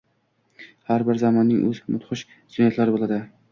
Har bir zamonning o‘z mudhish jinoyatlari bo‘ladi